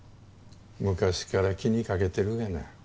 昔から気に掛けてるがな。